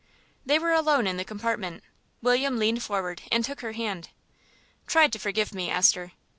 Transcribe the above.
They were alone in the compartment. William leaned forward and took her hand. "Try to forgive me, Esther."